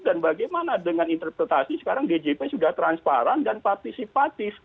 dan bagaimana dengan interpretasi sekarang djp sudah transparan dan partisipatif